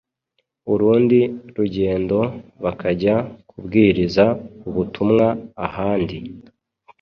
urundi rugendo bakajya kubwiriza ubutumwa ahandi.